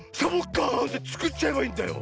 カーンってつくっちゃえばいいんだよ。